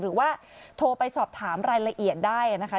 หรือว่าโทรไปสอบถามรายละเอียดได้นะคะ